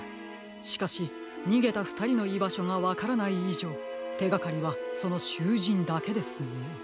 しかしにげたふたりのいばしょがわからないいじょうてがかりはそのしゅうじんだけですね。